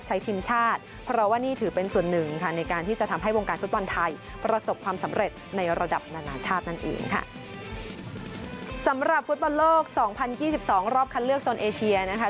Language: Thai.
สำหรับฟุตบอลโลก๒๐๒๒รอบคัดเลือกโซนเอเชียนะคะ